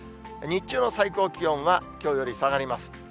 日中の最高気温は、きょうより下がります。